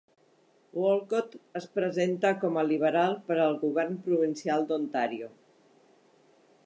Walcott es presenta com a Liberal per al govern provincial d'Ontàrio.